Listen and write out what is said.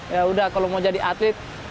ya udah kalau mau jadi atlet